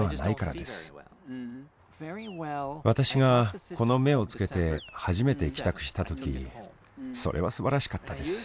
私がこの目をつけて初めて帰宅した時それはすばらしかったです。